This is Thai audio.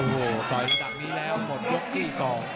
โอ้โหต่อยระดับนี้แล้วหมดยกที่๒